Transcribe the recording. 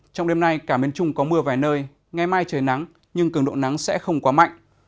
trong đêm nay cả miền trung có mưa vài nơi ngày mai trời nắng nhưng cường độ nắng sẽ không quá mạnh